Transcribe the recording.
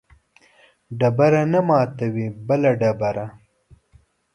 ډبره نه ماتوي بله ډبره